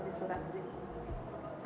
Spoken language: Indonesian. saya ingat betul diketirin beliau kirim